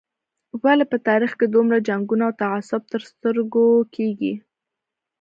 ولې په تاریخ کې دومره جنګونه او تعصب تر سترګو کېږي.